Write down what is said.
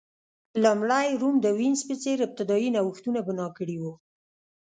لومړی روم د وینز په څېر ابتدايي نوښتونه بنا کړي وو